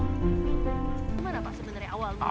kemana pak sebenarnya awalnya